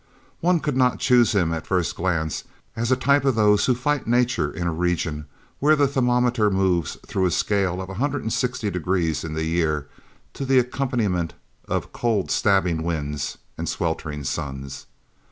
One could not choose him at first glance as a type of those who fight nature in a region where the thermometer moves through a scale of a hundred and sixty degrees in the year to an accompaniment of cold stabbing winds and sweltering suns.